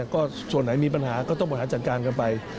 ก็ส่วนไหนมีปัญหาก็ต้องบริหารจัดการกันไป